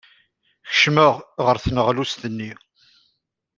Kecmeɣ ɣer tneɣlust-nni.